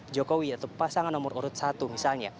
jokowi atau pasangan nomor urut satu misalnya